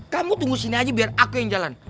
kamu tunggu sini aja biar aku yang jalan